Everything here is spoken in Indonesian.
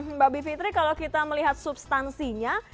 mbak bivitri kalau kita melihat substansinya